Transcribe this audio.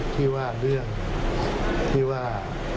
ที่ว่าเรื่องที่ว่า